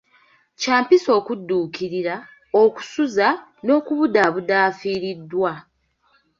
Kya mpisa okudduukirira, okusuza n'okubudaabuda afiiriddwa.